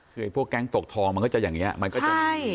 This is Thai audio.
คือพวกแก๊งตกทองมันก็จะอย่างเงี้ยใช่